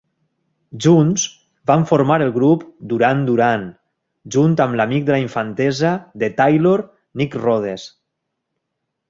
Junts van formar el grup Duran Duran, junt amb l"amic de la infantesa de Taylor, Nick Rhodes.